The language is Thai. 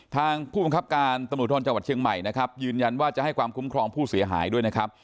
ผู้บังคับการตำรวจภูทรจังหวัดเชียงใหม่นะครับยืนยันว่าจะให้ความคุ้มครองผู้เสียหายด้วยนะครับ